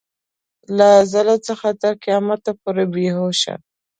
له ازل څخه تر قیامته پورې بې هوشه.